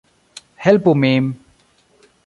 Helpu min